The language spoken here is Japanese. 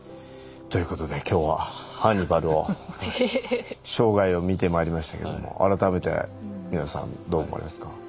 ということで今日はハンニバルを生涯を見てまいりましたけども改めて皆さんどう思われますか？